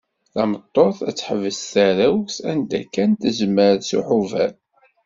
Tameṭṭut ad teḥbes tarrawt anda kan tezmer s uḥebber.